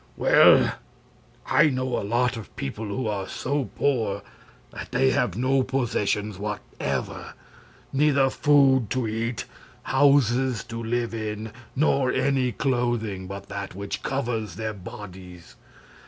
"Well, I know a lot of people who are so poor that they have no possessions whatever, neither food to eat, houses to live in, nor any clothing but that which covers their bodies.